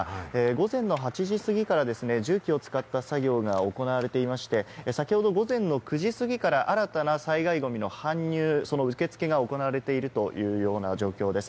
午前８時過ぎから、重機を使った作業が行われていまして、先ほど午前の９時過ぎから、新たな災害ゴミの搬入、その受付が行われているというような状況です。